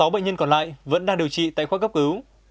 sáu bệnh nhân còn lại vẫn đang điều trị tại khoa cấp cứu